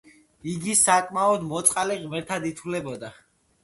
იგი საკმაოდ მოწყალე ღმერთად ითვლებოდა.